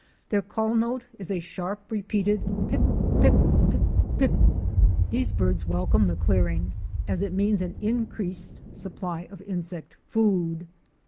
Their call note is a sharp, repeated pip! pip! pip! pip! These birds welcome the clearing, as it means an increased supply of insect food.